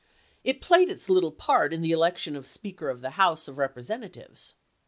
It played its little part in the election of Speaker of the House of Representatives.